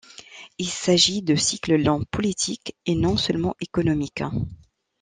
Il s'agit de cycles longs politiques et non seulement économiques.